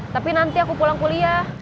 tapi nanti aku pulang kuliah